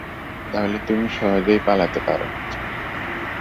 তাহলে তুমি সহজেই পালাতে পারো।